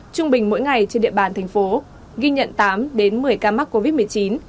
trung bình mỗi ngày trên địa bàn thành phố ghi nhận tám đến một mươi ca mắc covid một mươi chín